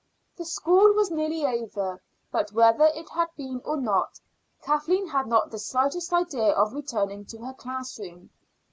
The school was nearly over; but whether it had been or not, Kathleen had not the slightest idea of returning to her class room.